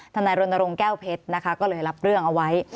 นายรณรงค์แก้วเพชรนะคะก็เลยรับเรื่องเอาไว้